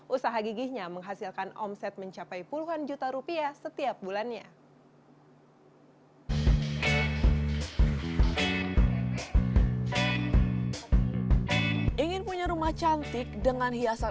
usaha gigihnya menghasilkan omset mencapai puluhan juta rupiah setiap bulannya